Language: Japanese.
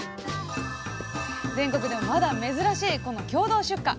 全国でもまだ珍しいこの共同出荷。